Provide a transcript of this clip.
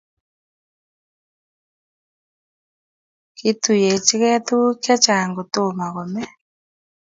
Kiituiyechikei tukuk che chang' ko toma ko me